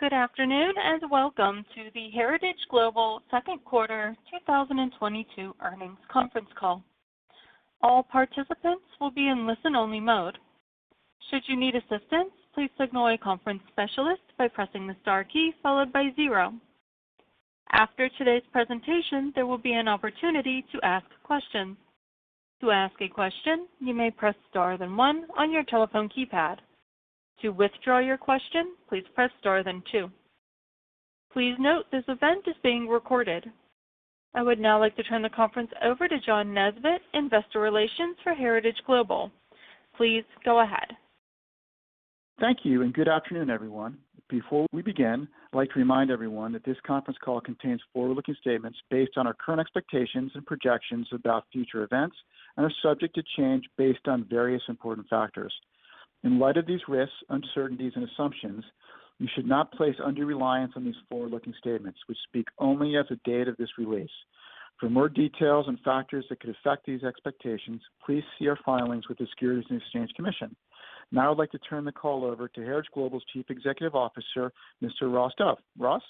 Good afternoon, and welcome to the Heritage Global Second Quarter 2022 Earnings Conference Call. All participants will be in listen-only mode. Should you need assistance, please signal a conference specialist by pressing the star key followed by zero. After today's presentation, there will be an opportunity to ask questions. To ask a question, you may press star then one on your telephone keypad. To withdraw your question, please press star then two. Please note this event is being recorded. I would now like to turn the conference over to John Nesbett, Investor Relations for Heritage Global. Please go ahead. Thank you, and good afternoon, everyone. Before we begin, I'd like to remind everyone that this conference call contains forward-looking statements based on our current expectations and projections about future events and are subject to change based on various important factors. In light of these risks, uncertainties and assumptions, you should not place undue reliance on these forward-looking statements. We speak only as of date of this release. For more details and factors that could affect these expectations, please see our filings with the Securities and Exchange Commission. Now I'd like to turn the call over to Heritage Global's Chief Executive Officer, Mr. Ross Dove. Ross?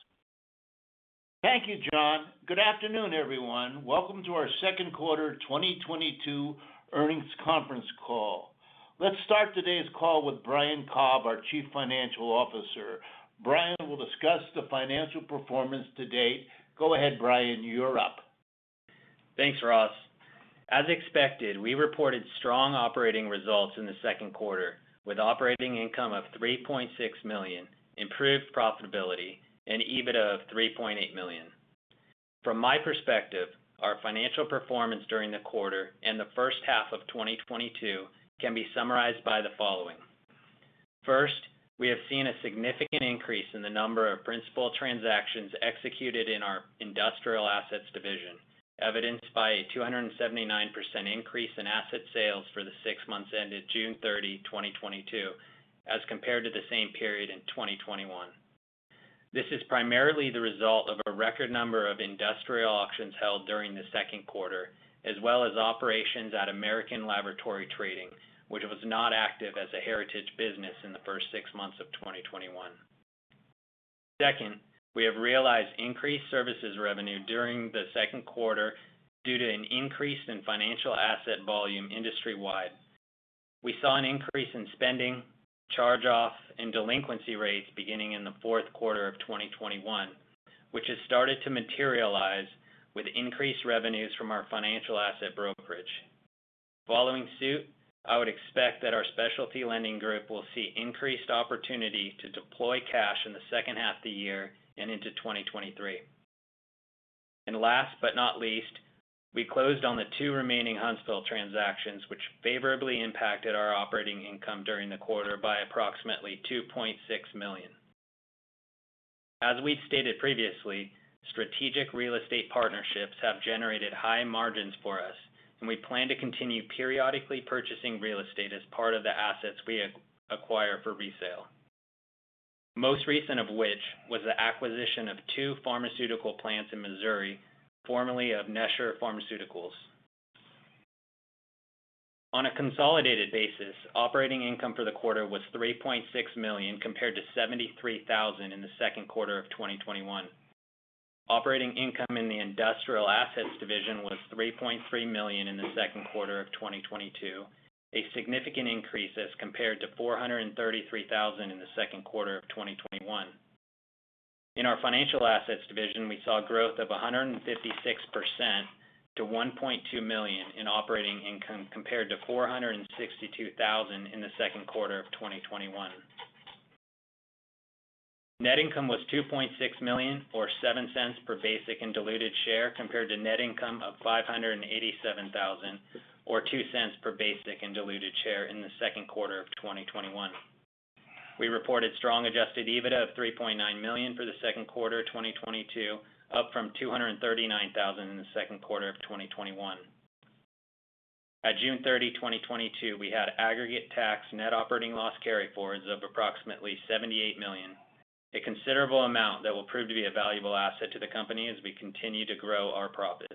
Thank you, John. Good afternoon, everyone. Welcome to our Second Quarter 2022 Earnings Conference Call. Let's start today's call with Brian Cobb, our Chief Financial Officer. Brian will discuss the financial performance to date. Go ahead, Brian, you're up. Thanks, Ross. As expected, we reported strong operating results in the second quarter, with operating income of $3.6 million, improved profitability, and EBITDA of $3.8 million. From my perspective, our financial performance during the quarter and the first half of 2022 can be summarized by the following. First, we have seen a significant increase in the number of principal transactions executed in our industrial assets division, evidenced by a 279% increase in asset sales for the six months ended June 30, 2022, as compared to the same period in 2021. This is primarily the result of a record number of industrial auctions held during the second quarter, as well as operations at American Laboratory Trading, which was not active as a Heritage business in the first six months of 2021. Second, we have realized increased services revenue during the second quarter due to an increase in financial asset volume industry-wide. We saw an increase in spending, charge-offs, and delinquency rates beginning in the fourth quarter of 2021, which has started to materialize with increased revenues from our financial asset brokerage. Following suit, I would expect that our specialty lending group will see increased opportunity to deploy cash in the second half of the year and into 2023. Last but not least, we closed on the two remaining Huntsville transactions, which favorably impacted our operating income during the quarter by approximately $2.6 million. As we stated previously, strategic real estate partnerships have generated high margins for us, and we plan to continue periodically purchasing real estate as part of the assets we acquire for resale. Most recent of which was the acquisition of two pharmaceutical plants in Missouri, formerly of Nesher Pharmaceuticals. On a consolidated basis, operating income for the quarter was $3.6 million, compared to 73,000 in the second quarter of 2021. Operating income in the industrial assets division was $3.3 million in the second quarter of 2022, a significant increase as compared to $433,000 in the second quarter of 2021. In our financial assets division, we saw growth of 156% to $1.2 million in operating income, compared to $462,000 in the second quarter of 2021. Net income was $2.6 million or 0.07 per basic and diluted share, compared to net income of $587,000 or 0.02 per basic and diluted share in the second quarter of 2021. We reported strong adjusted EBITDA of $3.9 million for the second quarter 2022, up from $239,000 in the second quarter of 2021. At June 30, 2022, we had aggregate tax net operating loss carryforwards of approximately $78 million, a considerable amount that will prove to be a valuable asset to the company as we continue to grow our profits.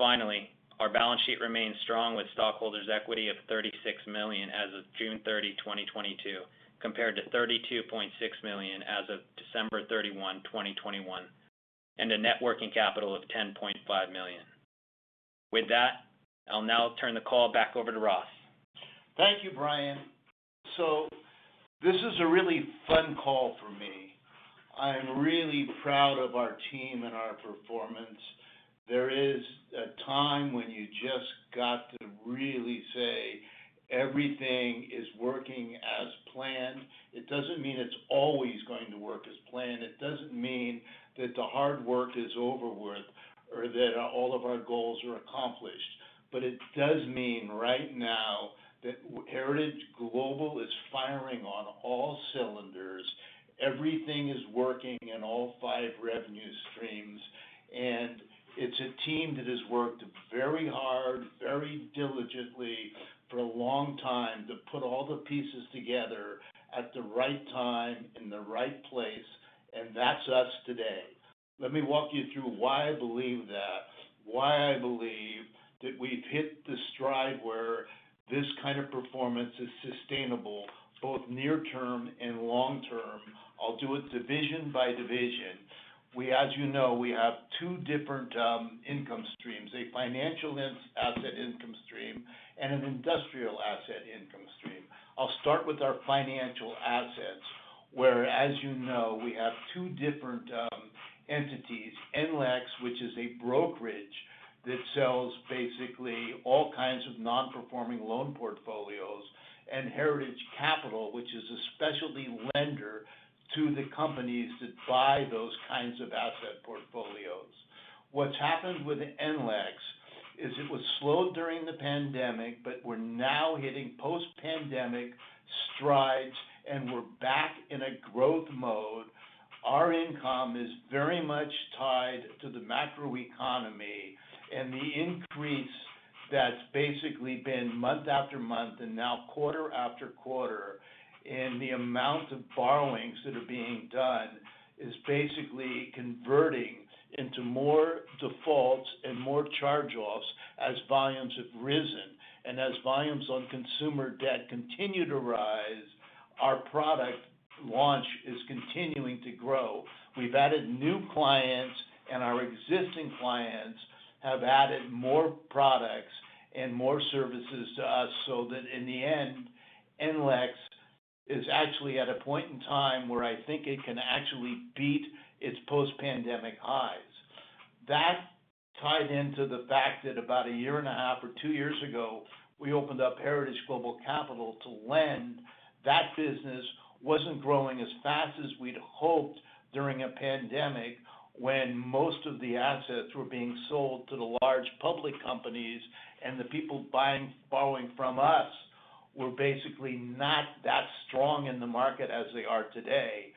Our balance sheet remains strong with stockholders' equity of $36 million as of June 30, 2022, compared to $32.6 million as of December 31, 2021, and a net working capital of $10.5 million. With that, I'll now turn the call back over to Ross. Thank you, Brian. This is a really fun call for me. I am really proud of our team and our performance. There is a time when you just got to really say everything is working as planned. It doesn't mean it's always going to work as planned. It doesn't mean that the hard work is over with or that all of our goals are accomplished. It does mean right now that Heritage Global is firing on all cylinders. Everything is working in all five revenue streams, and it's a team that has worked very hard, very diligently for a long time to put all the pieces together at the right time in the right place, and that's us today. Let me walk you through why I believe that. Why I believe that we've hit the stride where this kind of performance is sustainable both near term and long term. I'll do it division by division. We as you know, we have two different income streams, a financial asset income stream and an industrial asset income stream. I'll start with our financial assets, where as you know, we have two different entities, NLEX, which is a brokerage that sells basically all kinds of non-performing loan portfolios, and Heritage Capital, which is a specialty lender to the companies that buy those kinds of asset portfolios. What's happened with NLEX is it was slow during the pandemic, but we're now hitting post-pandemic strides and we're back in a growth mode. Our income is very much tied to the macro economy and the increase that's basically been month-after-month and now quarter-after-quarter in the amount of borrowings that are being done is basically converting into more defaults and more charge-offs as volumes have risen. As volumes on consumer debt continue to rise, our product launch is continuing to grow. We've added new clients and our existing clients have added more products and more services to us so that in the end, NLEX is actually at a point in time where I think it can actually beat its post-pandemic highs. That tied into the fact that about a year and a half or two years ago, we opened up Heritage Global Capital to lend. That business wasn't growing as fast as we'd hoped during a pandemic when most of the assets were being sold to the large public companies and the people borrowing from us were basically not that strong in the market as they are today.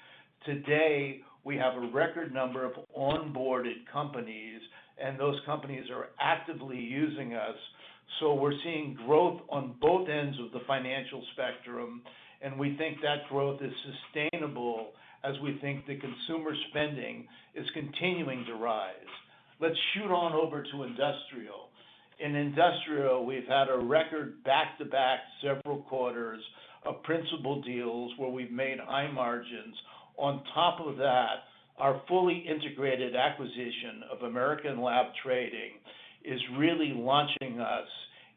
Today, we have a record number of onboarded companies, and those companies are actively using us. We're seeing growth on both ends of the financial spectrum, and we think that growth is sustainable as we think the consumer spending is continuing to rise. Let's shoot on over to industrial. In industrial, we've had a record back-to-back several quarters of principal deals where we've made high margins. On top of that, our fully integrated acquisition of American Laboratory Trading is really launching us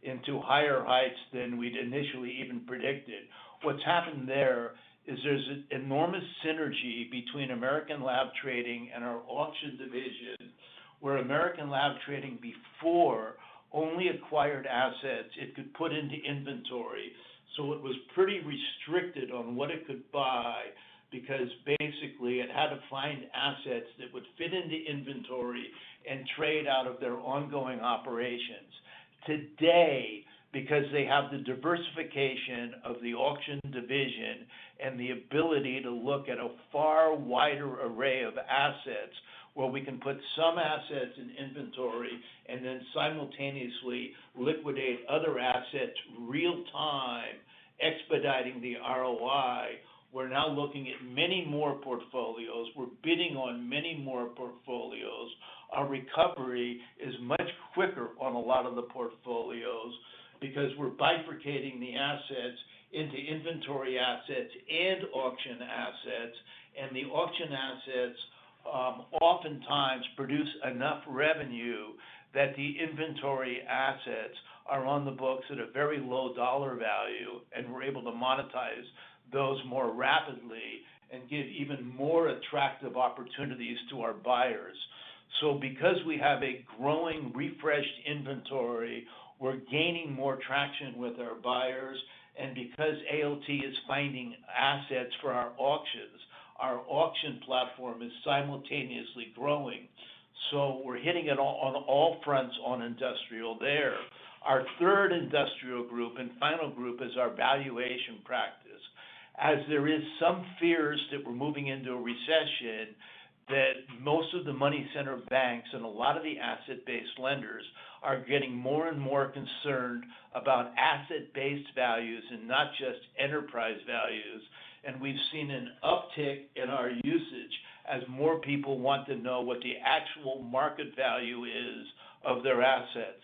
into higher heights than we'd initially even predicted. What's happened there is there's an enormous synergy between American Laboratory Trading and our auction division, where American Laboratory Trading before only acquired assets it could put into inventory. It was pretty restricted on what it could buy because basically it had to find assets that would fit into inventory and trade out of their ongoing operations. Today, because they have the diversification of the auction division and the ability to look at a far wider array of assets where we can put some assets in inventory and then simultaneously liquidate other assets real-time, expediting the ROI, we're now looking at many more portfolios. We're bidding on many more portfolios. Our recovery is much quicker on a lot of the portfolios because we're bifurcating the assets into inventory assets and auction assets. The auction assets oftentimes produce enough revenue that the inventory assets are on the books at a very low dollar value, and we're able to monetize those more rapidly and give even more attractive opportunities to our buyers. Because we have a growing refreshed inventory, we're gaining more traction with our buyers. Because ALT is finding assets for our auctions, our auction platform is simultaneously growing. We're hitting it on all fronts on industrial there. Our third industrial group and final group is our valuation practice. As there is some fears that we're moving into a recession, that most of the money center banks and a lot of the asset-based lenders are getting more and more concerned about asset-based values and not just enterprise values. We've seen an uptick in our usage as more people want to know what the actual market value is of their assets.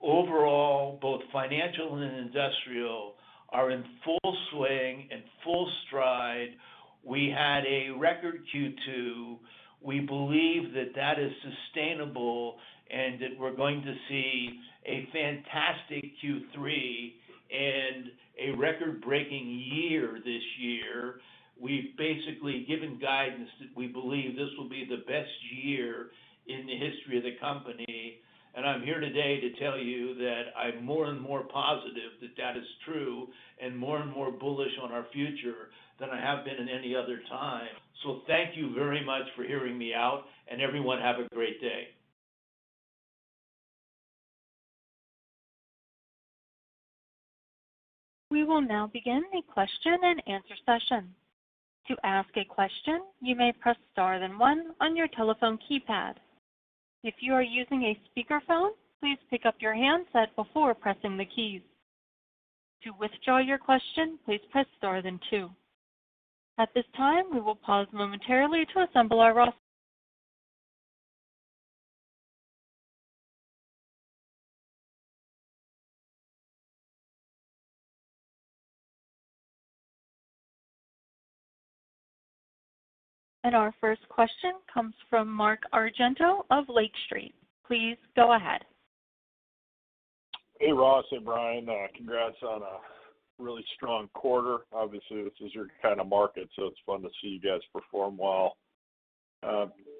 Overall, both financial and industrial are in full swing, in full stride. We had a record Q2. We believe that is sustainable and that we're going to see a fantastic Q3 and a record-breaking year this year. We've basically given guidance that we believe this will be the best year in the history of the company. I'm here today to tell you that I'm more and more positive that that is true and more and more bullish on our future than I have been in any other time. Thank you very much for hearing me out, and everyone have a great day. We will now begin a question and answer session. To ask a question, you may press star, then one on your telephone keypad. If you are using a speakerphone, please pick up your handset before pressing the keys. To withdraw your question, please press star then two. At this time, we will pause momentarily to assemble our roster. Our first question comes from Mark Argento of Lake Street. Please go ahead. Hey, Ross. Hey, Brian. Congrats on a really strong quarter. Obviously, this is your kind of market, so it's fun to see you guys perform well.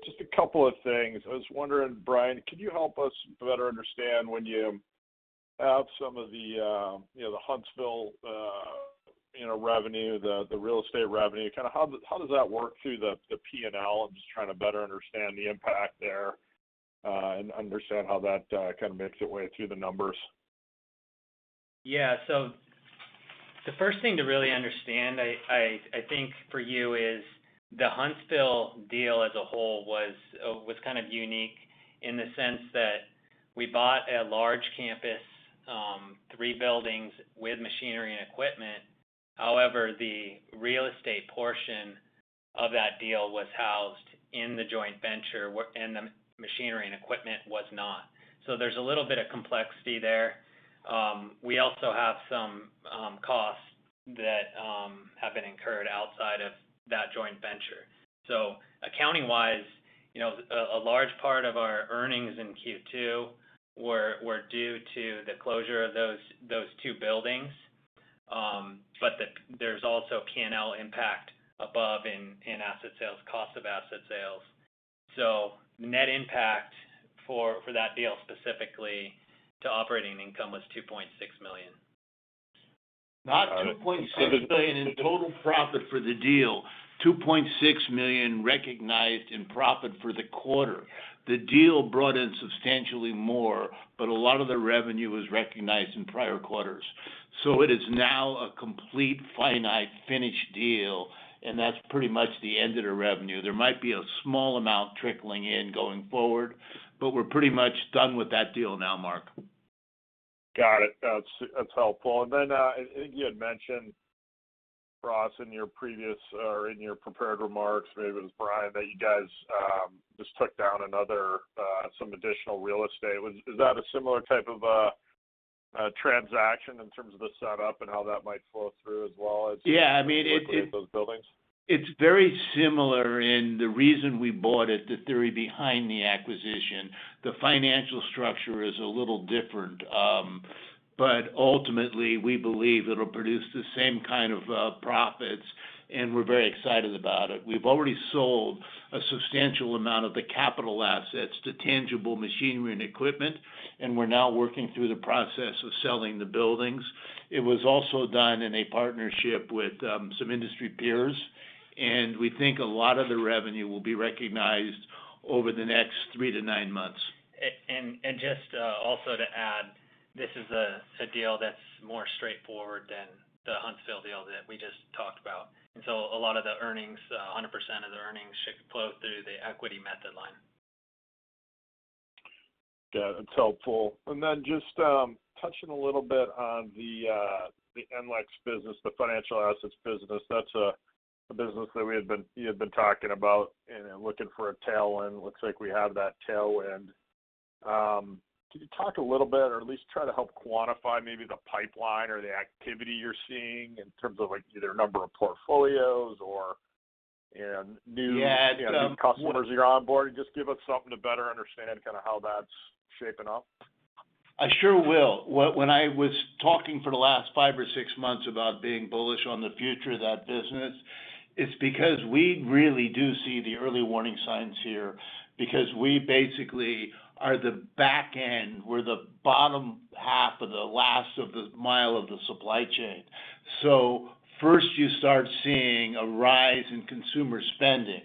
Just a couple of things. I was wondering, Brian, could you help us better understand when you have some of the, you know, the Huntsville, you know, revenue, the real estate revenue, kind of how does that work through the P&L? I'm just trying to better understand the impact there, and understand how that kind of makes its way through the numbers. Yeah. The first thing to really understand, I think for you is the Huntsville deal as a whole was kind of unique in the sense that we bought a large campus, three buildings with machinery and equipment. However, the real estate portion of that deal was housed in the joint venture, and the machinery and equipment was not. There's a little bit of complexity there. We also have some costs that have been incurred outside of that joint venture. Accounting-wise, you know, a large part of our earnings in Q2 were due to the closure of those two buildings. But there's also P&L impact above in asset sales, cost of asset sales. Net impact for that deal specifically to operating income was $2.6 million. Not $2.6 million in total profit for the deal. $2.6 million recognized in profit for the quarter. The deal brought in substantially more, but a lot of the revenue was recognized in prior quarters. It is now a complete finite finished deal, and that's pretty much the end of the revenue. There might be a small amount trickling in going forward, but we're pretty much done with that deal now, Mark. Got it. That's helpful. I think you had mentioned, Ross, in your previous or in your prepared remarks, maybe it was Brian, that you guys just took down another some additional real estate. Is that a similar type of a transaction in terms of the setup and how that might flow through as well as? Yeah. I mean, it. Those buildings. It's very similar in the reason we bought it, the theory behind the acquisition. The financial structure is a little different, but ultimately, we believe it'll produce the same kind of profits, and we're very excited about it. We've already sold a substantial amount of the capital assets, tangible machinery and equipment, and we're now working through the process of selling the buildings. It was also done in a partnership with some industry peers, and we think a lot of the revenue will be recognized over the next three to nine months. Also to add, this is a deal that's more straightforward than the Huntsville deal that we just talked about. A lot of the earnings, 100% of the earnings, should flow through the equity method line. Got it. That's helpful. Just touching a little bit on the NLEX business, the financial assets business. That's a business that you had been talking about and looking for a tailwind. Looks like we have that tailwind. Could you talk a little bit or at least try to help quantify maybe the pipeline or the activity you're seeing in terms of, like, either number of portfolios or, and new- Yeah. New customers you're onboarding. Just give us something to better understand kinda how that's shaping up. I sure will. When I was talking for the last five or six months about being bullish on the future of that business, it's because we really do see the early warning signs here because we basically are the back end. We're the bottom half of the last mile of the supply chain. First you start seeing a rise in consumer spending.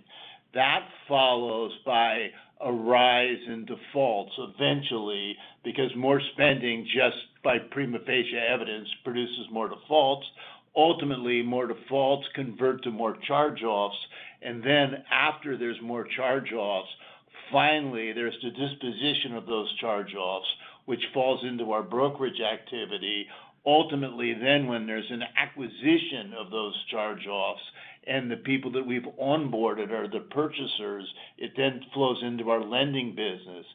That followed by a rise in defaults eventually, because more spending just by prima facie evidence produces more defaults. Ultimately, more defaults convert to more charge-offs. Then after there's more charge-offs, finally, there's the disposition of those charge-offs, which falls into our brokerage activity. Ultimately, then when there's an acquisition of those charge-offs and the people that we've onboarded are the purchasers, it then flows into our lending business.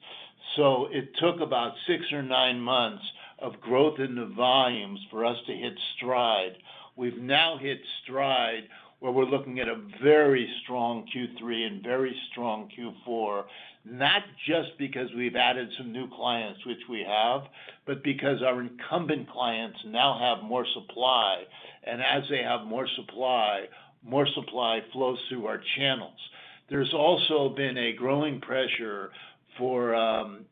It took about six or nine months of growth in the volumes for us to hit stride. We've now hit stride where we're looking at a very strong Q3 and very strong Q4, not just because we've added some new clients, which we have, but because our incumbent clients now have more supply. As they have more supply, more supply flows through our channels. There's also been a growing pressure for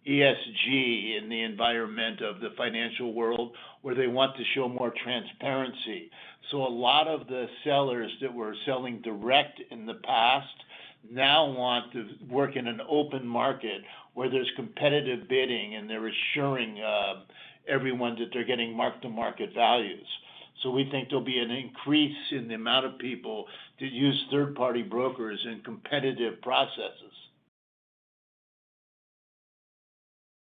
ESG in the environment of the financial world, where they want to show more transparency. A lot of the sellers that were selling direct in the past now want to work in an open market where there's competitive bidding, and they're assuring everyone that they're getting mark-to-market values. We think there'll be an increase in the amount of people that use third-party brokers in competitive processes.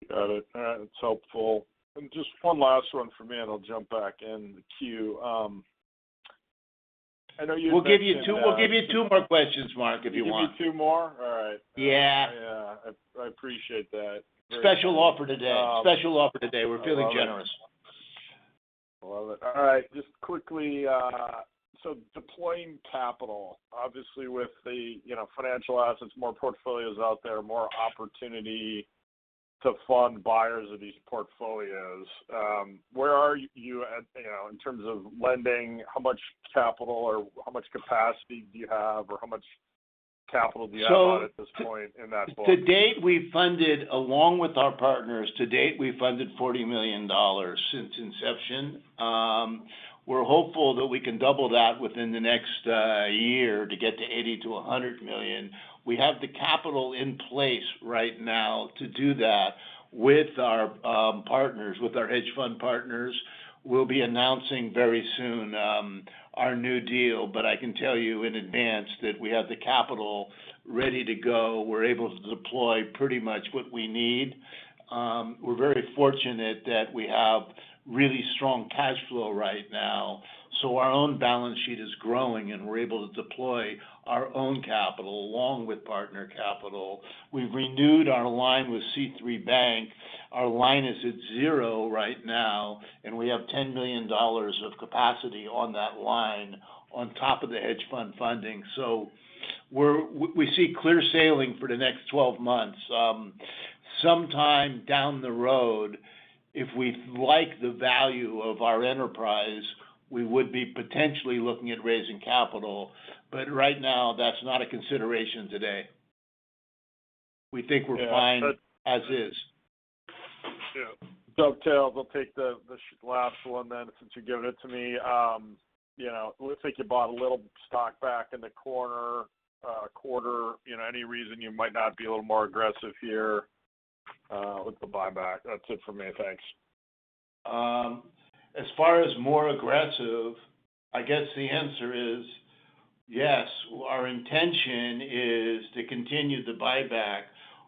Got it. That's helpful. Just one last one for me, and I'll jump back in the queue. I know you mentioned, We'll give you two more questions, Mark, if you want. Give me two more? All right. Yeah. Yeah. I appreciate that. Special offer today. Special offer today. We're feeling generous. Love it. All right. Just quickly. Deploying capital, obviously with the, you know, financial assets, more portfolios out there, more opportunity to fund buyers of these portfolios. Where are you at, you know, in terms of lending? How much capital or how much capacity do you have or how much capital do you have? So- At this point in that portfolio? To date, we've funded $40 million since inception. We're hopeful that we can double that within the next year to get to $80-100 million. We have the capital in place right now to do that with our partners, with our hedge fund partners. We'll be announcing very soon our new deal, but I can tell you in advance that we have the capital ready to go. We're able to deploy pretty much what we need. We're very fortunate that we have really strong cash flow right now, so our own balance sheet is growing, and we're able to deploy our own capital along with partner capital. We've renewed our line with C3 Bank. Our line is at zero right now, and we have $10 million of capacity on that line on top of the hedge fund funding. We see clear sailing for the next 12 months. Sometime down the road, if we like the value of our enterprise, we would be potentially looking at raising capital. Right now, that's not a consideration today. We think we're fine. As is. Yeah. Dove, we'll take the last one then since you're giving it to me. You know, looks like you bought a little stock back in the current quarter. You know, any reason you might not be a little more aggressive here with the buyback? That's it for me. Thanks. As far as more aggressive, I guess the answer is yes. Our intention is to continue the buyback.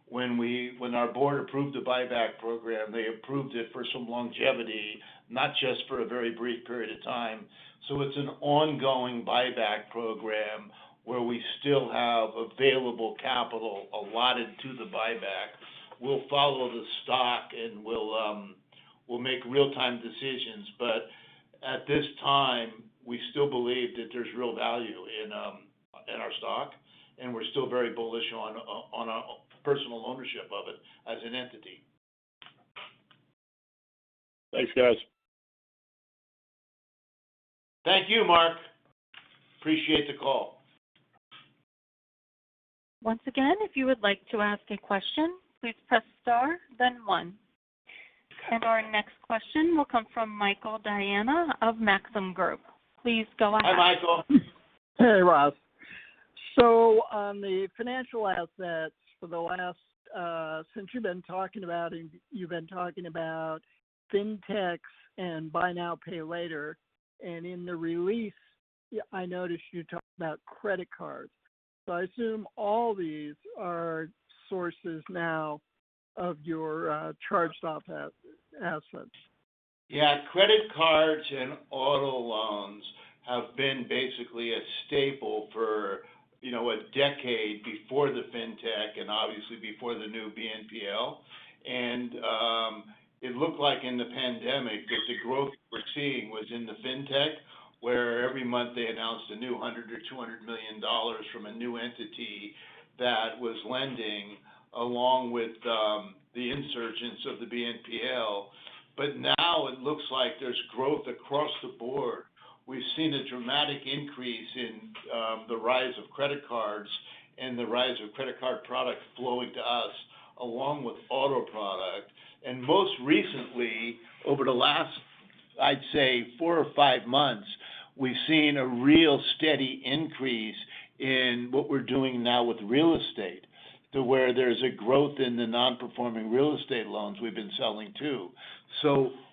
When our board approved the buyback program, they approved it for some longevity, not just for a very brief period of time. It's an ongoing buyback program where we still have available capital allotted to the buyback. We'll follow the stock, and we'll make real-time decisions. At this time, we still believe that there's real value in our stock, and we're still very bullish on personal ownership of it as an entity. Thanks, guys. Thank you, Mark. Appreciate the call. Once again, if you would like to ask a question, please press Star, then one. Our next question will come from Michael Diana of Maxim Group. Please go ahead. Hi, Michael. Hey, Ross. On the financial assets for the last, since you've been talking about it, you've been talking about Fintechs and buy now, pay later. In the release, I noticed you talked about credit cards. I assume all these are sources now of your charge-off assets. Yeah. Credit cards and auto loans have been basically a staple for, you know, a decade before the Fintech and obviously before the new BNPL. It looked like in the pandemic that the growth we're seeing was in the Fintech, where every month they announced a new $100 million or 200 million from a new entity that was lending along with the insurgence of the BNPL. Now it looks like there's growth across the board. We've seen a dramatic increase in the rise of credit cards and the rise of credit card products flowing to us, along with auto product. Most recently, over the last, I'd say four or five months, we've seen a real steady increase in what we're doing now with real estate to where there's a growth in the non-performing real estate loans we've been selling to.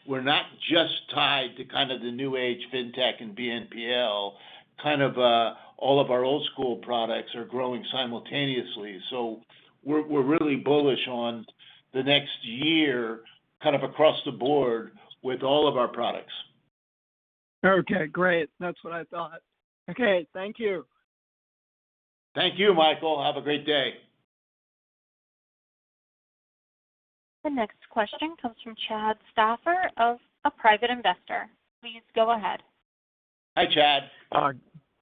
We're not just tied to kind of the new age Fintech and BNPL. Kind of, all of our old school products are growing simultaneously. We're really bullish on the next year, kind of across the board with all of our products. Okay, great. That's what I thought. Okay. Thank you. Thank you, Michael. Have a great day. The next question comes from Chad Stauffer, a Private Investor. Please go ahead. Hi, Chad.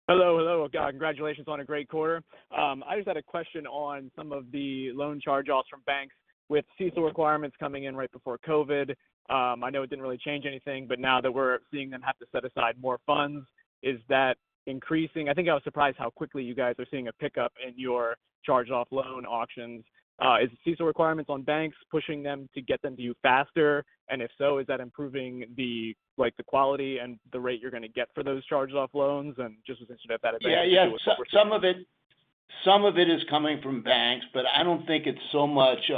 Hello. Congratulations on a great quarter. I just had a question on some of the loan charge-offs from banks. With CECL requirements coming in right before COVID, I know it didn't really change anything, but now that we're seeing them have to set aside more funds, is that increasing? I think I was surprised how quickly you guys are seeing a pickup in your charge-off loan auctions. Is the CECL requirements on banks pushing them to get them to you faster? If so, is that improving the, like, the quality and the rate you're gonna get for those charge-off loans? Just as interested about advantage to a- Yeah. Some of it is coming from banks, but I don't think it's so much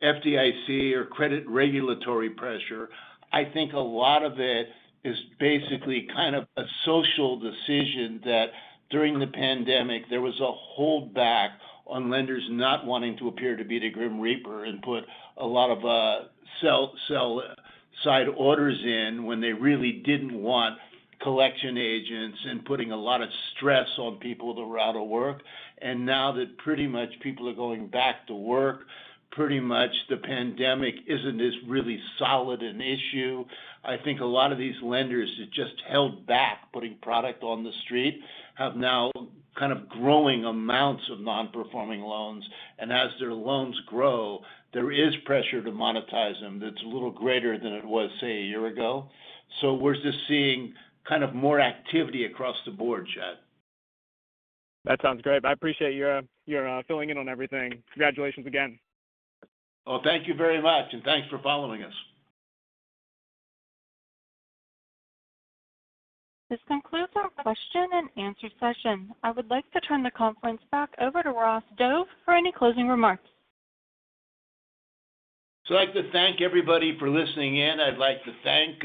FDIC or credit regulatory pressure. I think a lot of it is basically kind of a social decision that during the pandemic, there was a holdback on lenders not wanting to appear to be the grim reaper and put a lot of sell-side orders in when they really didn't want collection agents and putting a lot of stress on people that were out of work. And now that pretty much people are going back to work, pretty much the pandemic isn't as really solid an issue. I think a lot of these lenders that just held back putting product on the street have now kind of growing amounts of non-performing loans. As their loans grow, there is pressure to monetize them that's a little greater than it was, say, a year ago. We're just seeing kind of more activity across the board, Chad. That sounds great. I appreciate your filling in on everything. Congratulations again. Thank you very much, and thanks for following us. This concludes our question and answer session. I would like to turn the conference back over to Ross Dove for any closing remarks. I'd like to thank everybody for listening in. I'd like to thank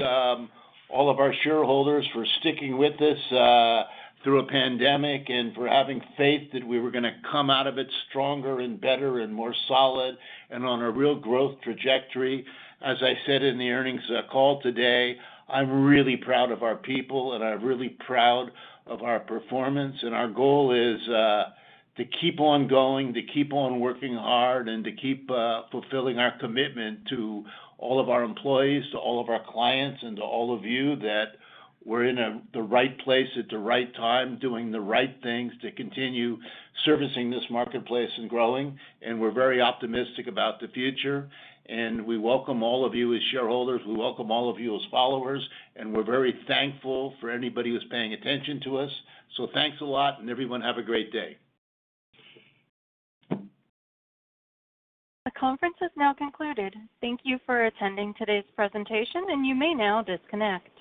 all of our shareholders for sticking with us through a pandemic and for having faith that we were gonna come out of it stronger and better and more solid and on a real growth trajectory. As I said in the earnings call today, I'm really proud of our people, and I'm really proud of our performance. Our goal is to keep on going, to keep on working hard, and to keep fulfilling our commitment to all of our employees, to all of our clients, and to all of you that we're in the right place at the right time, doing the right things to continue servicing this marketplace and growing. We're very optimistic about the future. We welcome all of you as shareholders. We welcome all of you as followers, and we're very thankful for anybody who's paying attention to us. Thanks a lot, and everyone have a great day. The conference has now concluded. Thank you for attending today's presentation, and you may now disconnect.